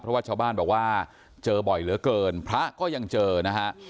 เพราะว่าชาวบ้านบอกว่าเจอบ่อยเหลือเกินพระก็ยังเจอนะฮะ